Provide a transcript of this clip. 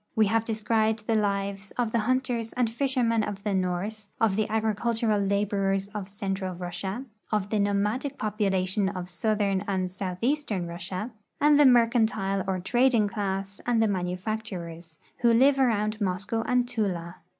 We have described the lives of tlie hunters and fisher men of the north, of the agricultural laborers of central Russia, of the nomadic po})ulation of southern and southeastern Russia, and the mercantile or trading class and the manufacturers, who live around Moscow and Tula.